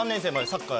サッカー。